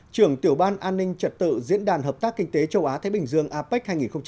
trưởng tiểu ban an ninh trật tự diễn đàn hợp tác kinh tế châu á thái bình dương apec hai nghìn hai mươi